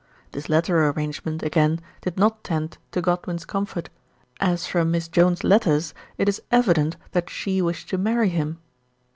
This latter arrangement, again, did not tend to Godwin's comfort, as from Miss Jones's letters it is evident that she wished to marry him.